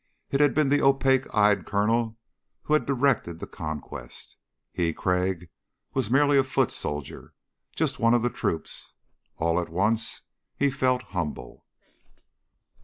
It had been the opaque eyed Colonel who had directed the conquest. He, Crag, was merely a foot soldier. Just one of the troops. All at once he felt humble.